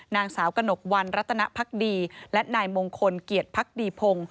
นางสาวกระหนกวันรัตนภักดีและนายมงคลเกียรติพักดีพงศ์